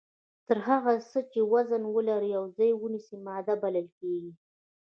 هر هغه څه چې وزن ولري او ځای ونیسي ماده بلل کیږي.